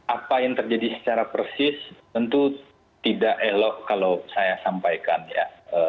apa yang terjadi secara persis tentu tidak elok kalau saya sampaikan ya